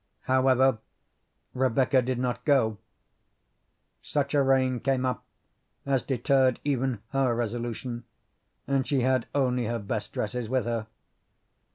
However, Rebecca did not go; such a rain came up as deterred even her resolution, and she had only her best dresses with her.